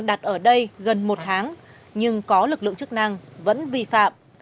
tình trạng đặt ở đây gần một tháng nhưng có lực lượng chức năng vẫn vi phạm